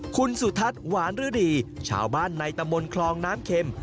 คุณสุทัศน์หวานฤดีชาวบ้านในตำบลคลองน้ำเข็ม